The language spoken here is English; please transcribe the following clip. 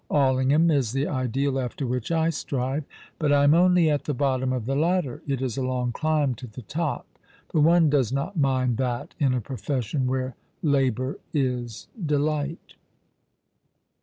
Allingham is the ideal after which I strive, but I am only at the bottom of the ladder. It is a long climb to the top ; but one does not mind that in a profession where labour is delight."